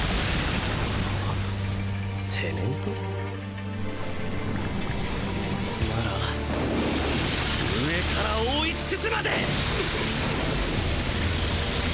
セメント？なら上から覆いつくすまで！